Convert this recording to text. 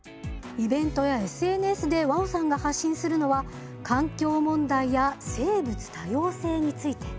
イベントやＳＮＳでＷｏＷさんが発信するのは環境問題や生物多様性について。